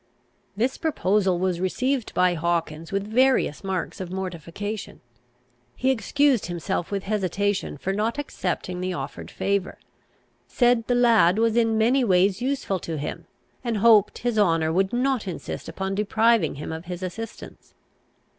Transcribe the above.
This proposal was received by Hawkins with various marks of mortification. He excused himself with hesitation for not accepting the offered favour; said the lad was in many ways useful to him; and hoped his honour would not insist upon depriving him of his assistance.